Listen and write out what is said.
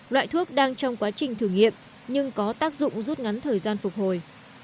loại thuốc đang trong quá trình thử nghiệm nhưng có tác dụng rút ngắn thời gian phục hồi